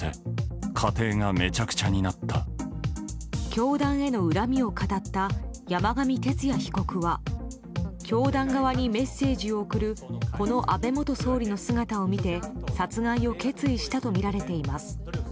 教団への恨みを語った山上徹也被告は教団側にメッセージを送るこの安倍元総理の姿を見て殺害を決意したとみられています。